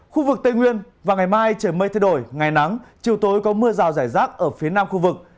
khu vực tây nguyên và ngày mai trời mây thay đổi ngày nắng chiều tối có mưa rào rải rác ở phía nam khu vực